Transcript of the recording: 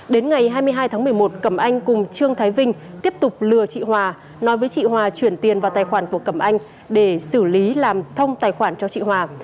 đến ngày hai mươi hai tháng một mươi một cẩm anh cùng trương thái vinh tiếp tục lừa chị hòa nói với chị hòa chuyển tiền vào tài khoản của cẩm anh để xử lý làm thông tài khoản cho chị hòa